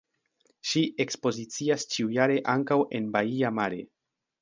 Ŝi ekspozicias ĉiujare ankaŭ en Baia Mare.